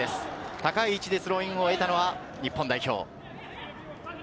高い位置でスローインを得たのは日本代表。